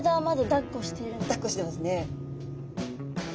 だっこしてますね。